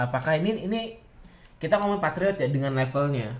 apakah ini kita ngomongin patriot ya dengan levelnya